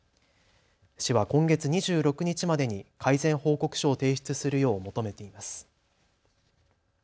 市は今月２６日までに改善報告書を提出するよう求めています。